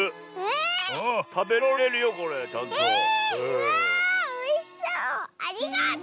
わあおいしそう！